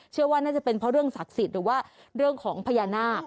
เชื่อว่าน่าจะเป็นเพราะเรื่องศักดิ์สิทธิ์หรือว่าเรื่องของพญานาค